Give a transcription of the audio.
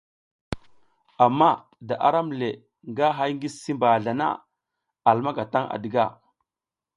Ama da aram le nga hay ngi si mbazla na a lumaka tan à diga.